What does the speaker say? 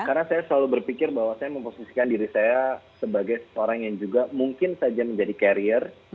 karena saya selalu berpikir bahwa saya memposisikan diri saya sebagai orang yang juga mungkin saja menjadi karier